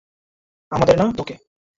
আমাদেরকে না, তোকে!